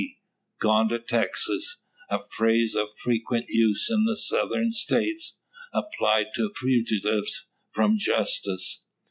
T. "Gone to Texas" a phrase of frequent use in the Southern States, applied to fugitives from justice.